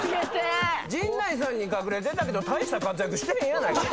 陣内さんに隠れてたけど大した活躍してへんやないか！